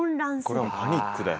これはパニックだよ。